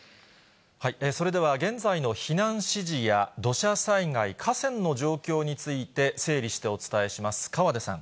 それでは現在の避難指示や土砂災害、河川の状況について整理してお伝えします。